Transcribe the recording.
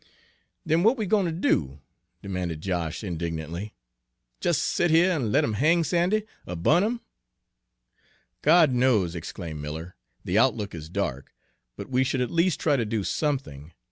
"Den w'at we gwine ter do?" demanded Josh indignantly; "jes' set here an' let 'em hang Sandy, er bu'n 'im?" "God knows!" exclaimed Miller. "The outlook is dark, but we should at least try to do something.